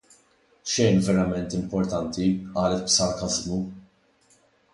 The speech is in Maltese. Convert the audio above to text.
Xejn verament importanti, qalet b'sarkażmu.